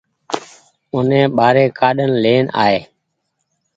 اوني ٻآري ڪآڏين لين آئي